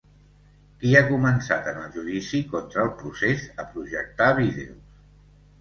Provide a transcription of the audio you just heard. Qui ha començat en el judici contra el procés a projectar vídeos?